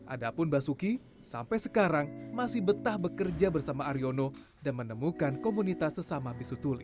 adapun basuki sampai sekarang masih betah bekerja bersama aryono dan menemukan komunitas sesama bisu tuli